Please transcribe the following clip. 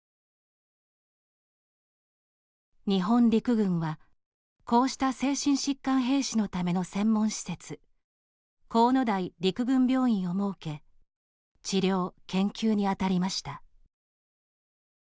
日本陸軍は、こうした精神疾患兵士のための専門施設国府台陸軍病院を設け、治療・研究にあたりました。